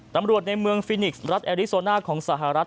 ตำรวจเมืองเฟนิกซ์รัฐเอริซาลของสหรัฐ